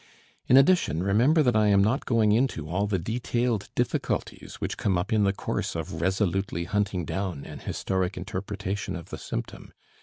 In addition, remember that I am not going into all the detailed difficulties which come up in the course of resolutely hunting down an historic interpretation of the symptom.